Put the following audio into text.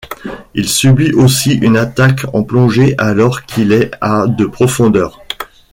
Il subit aussi une attaque en plongée alors qu'il est à de profondeur.